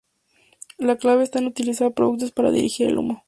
La clave está en utilizar conductos para dirigir el humo.